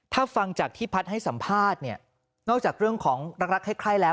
ถ้าฟังจากที่พัฒน์ให้สัมภาษณ์เนี่ยนอกจากเรื่องของรักรักใคร่แล้ว